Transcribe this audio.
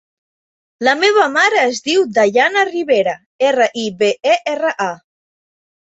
La meva mare es diu Dayana Ribera: erra, i, be, e, erra, a.